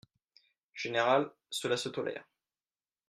Général, cela se tolère.